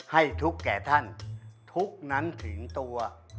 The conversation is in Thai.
ให้ทุกข์แก่ท่านทุกข์นั้นถึงตัว